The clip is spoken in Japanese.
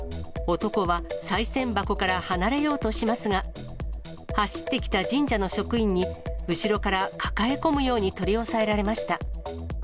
男はさい銭箱から離れようとしますが、走ってきた神社の職員に、後ろから抱え込むように取り押さえられました。